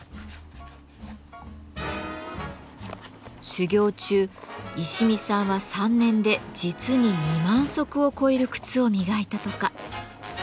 修業中石見さんは３年で実に２万足を超える靴を磨いたとか。